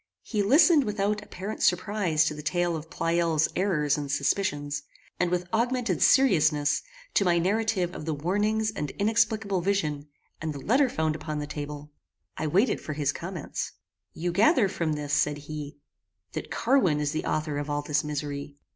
He listened without apparent surprize to the tale of Pleyel's errors and suspicions, and with augmented seriousness, to my narrative of the warnings and inexplicable vision, and the letter found upon the table. I waited for his comments. "You gather from this," said he, "that Carwin is the author of all this misery."